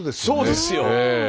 そうですよ。